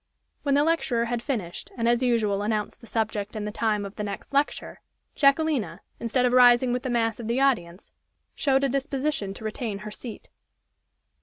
When the lecturer had finished, and as usual announced the subject and the time of the next lecture, Jacquelina, instead of rising with the mass of the audience, showed a disposition to retain her seat.